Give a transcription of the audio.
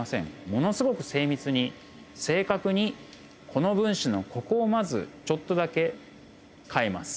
ものすごく精密に正確にこの分子のここをまずちょっとだけ変えます。